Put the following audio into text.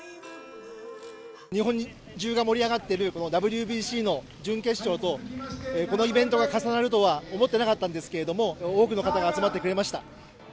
日本中が盛り上がってるＷＢＣの準決勝と、このイベントが重なるとは思ってなかったんですけれども、多くの方が集まってくれました。